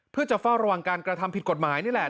เพื่อจะเฝ้าระวังการกระทำผิดกฎหมายนี่แหละ